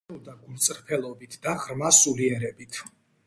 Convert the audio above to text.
გამოირჩეოდა გულწრფელობით და ღრმა სულიერებით.